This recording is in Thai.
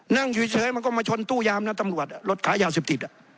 นั่งเฉยมันก็มาชนตู้ยามนะตำรวจรถขายาวเสพติด